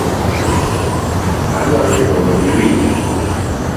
Adwaro ni mondo iwinja.